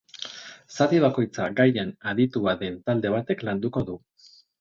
Zati bakoitza gaian aditua den talde batek landuko du.